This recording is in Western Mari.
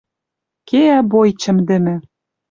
Кеӓ бой чӹмдӹмӹ.